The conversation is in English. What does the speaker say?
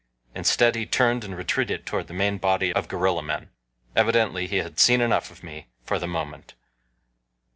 Instead, he turned and retreated toward the main body of gorilla men. Evidently he had seen enough of me for the moment.